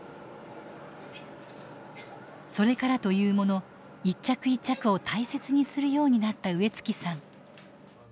それからというもの一着一着を大切にするようになった植月さん。